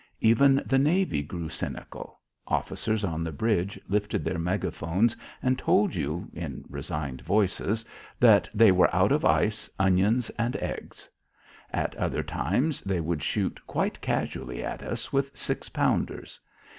Even the navy grew cynical. Officers on the bridge lifted their megaphones and told you in resigned voices that they were out of ice, onions, and eggs. At other times, they would shoot quite casually at us with six pounders.